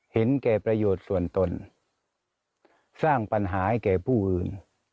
เห็นแก่ประโยชน์ส่วนตนสร้างปัญหาให้แก่ผู้อื่น